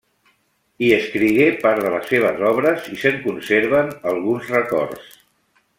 Hi escrigué part de les seves obres i se'n conserven alguns records.